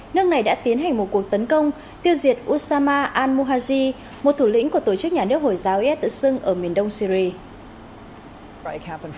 nước này đã tiến hành một cuộc tấn công tiêu diệt usama al muhazi một thủ lĩnh của tổ chức nhà nước hồi giáo is tự xưng ở miền đông syri